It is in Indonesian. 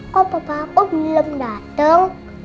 kok papa aku belum datang